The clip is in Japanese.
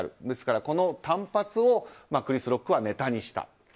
ですから、この短髪をクリス・ロックはネタにした。